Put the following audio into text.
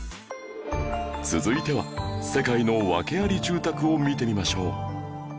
続いては世界のワケあり住宅を見てみましょう